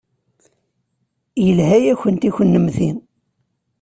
Yelha-yakent i kunemti.